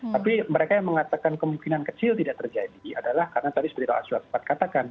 tapi mereka yang mengatakan kemungkinan kecil tidak terjadi adalah karena tadi seperti pak aswa sempat katakan